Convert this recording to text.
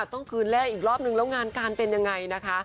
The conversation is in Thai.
ต้องคืนแรกอีกรอบนึงแล้วงานการเป็นยังไงนะคะ